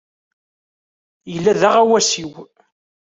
Yella d aɣawas-iw.